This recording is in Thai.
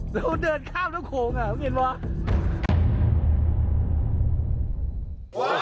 เราเดินข้ามแล้วโขงว่ะเห็นไหมวะ